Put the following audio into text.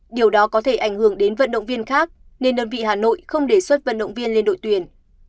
điều đó có thể ảnh hưởng đến vận động viên khác nên đơn vị hà nội không đề xuất vận động viên lên đội tuyển